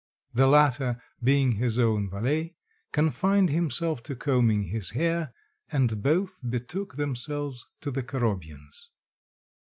The latter being his own valet, confined himself to combing his hair and both betook themselves to the Korobyins.